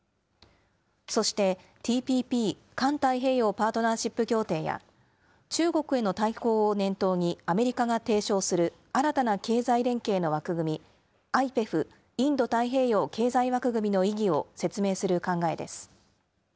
そしてＴＰＰ・環太平洋パートナーシップ協定や、中国への対抗を念頭にアメリカが提唱する新たな経済連携の枠組み、ＩＰＥＦ・インド太平洋経済枠組みの意義を説明する考えです。